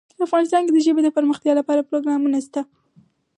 افغانستان کې د ژبې لپاره دپرمختیا پروګرامونه شته.